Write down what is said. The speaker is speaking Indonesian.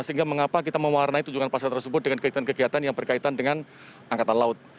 sehingga mengapa kita mewarnai tunjungan pasar tersebut dengan kegiatan kegiatan yang berkaitan dengan angkatan laut